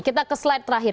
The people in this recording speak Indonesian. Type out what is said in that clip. kita ke slide terakhir